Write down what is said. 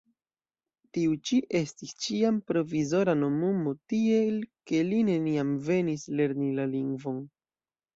Tiu ĉi estis ĉiam "provizora" nomumo, tiel ke li neniam venis lerni la lingvon.